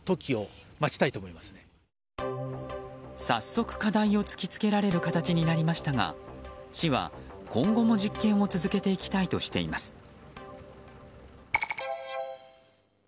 早速、課題を突き付けられる形になりましたが市は今後も実験を続けていきたいとしています。